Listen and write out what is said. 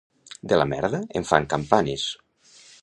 De la merda en fan campanes.